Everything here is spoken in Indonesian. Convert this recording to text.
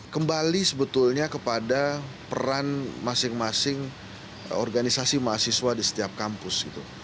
kembali sebetulnya kepada peran masing masing organisasi mahasiswa di setiap kampus